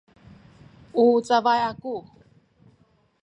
u cabay aku